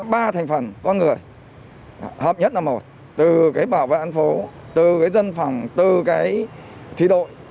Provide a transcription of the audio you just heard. ba thành phần con người hợp nhất là một từ bảo vệ an phố từ dân phòng từ thủy đội